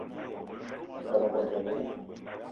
Ngón ohandja gnila